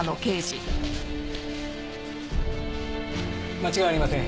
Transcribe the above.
間違いありません